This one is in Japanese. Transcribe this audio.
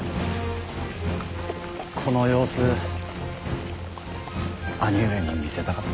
この様子兄上に見せたかった。